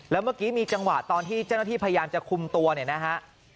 แล้วเมื่อกี้มีจังหวะตอนที่เจ้าหน้าที่พยายามจะคุมตัวเนี่ยนะฮะ